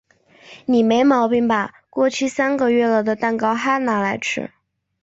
你没毛病吧？过期三个月了的蛋糕嗨拿来吃？